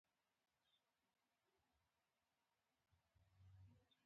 سړی وخندل.